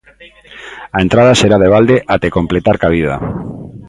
A entrada será de balde até completar cabida.